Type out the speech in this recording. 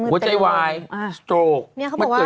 หัวใจวายสโตรกมันเกิดขึ้นมา